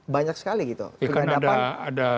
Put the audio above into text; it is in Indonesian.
banyak sekali gitu karena ada